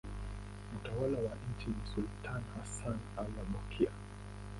Mtawala wa nchi ni sultani Hassan al-Bolkiah.